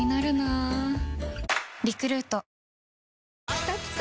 きたきた！